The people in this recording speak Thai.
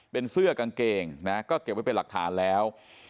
เป็นเสื้อกางเกงนะก็เก็บไว้เป็นหลักฐานแล้ว